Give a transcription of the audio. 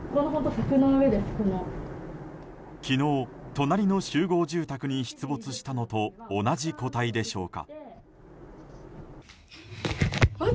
昨日、隣の集合住宅に出没したのと同じ個体でしょうか。